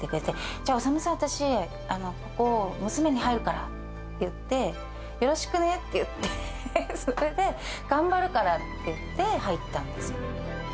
じゃあ、修さん、私、ここ、娘に入るからって言って、よろしくねって言って、それで、頑張るからって言って、入ったんです。